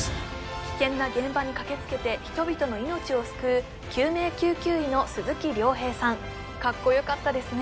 危険な現場に駆けつけて人々の命を救う救命救急医の鈴木亮平さんカッコよかったですね